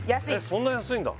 そんな安いんだ